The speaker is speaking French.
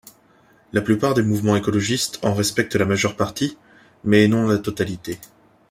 La plupart des mouvements écologistes en respectent la majeure partie, mais non la totalité.